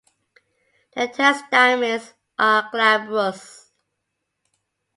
The ten stamens are glabrous.